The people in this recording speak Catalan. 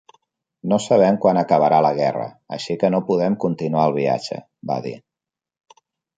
"No sabem quan acabarà la guerra, així que no podem continuar el viatge" va dir.